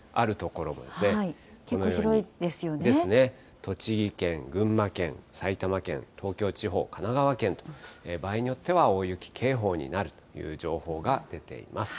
栃木県、群馬県、埼玉県、東京地方、神奈川県と、場合によっては大雪警報になるという情報が出ています。